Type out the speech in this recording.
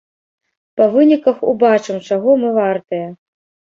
Па выніках убачым, чаго мы вартыя.